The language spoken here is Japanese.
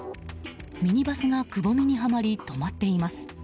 ミニバスがくぼみにはまり止まっています。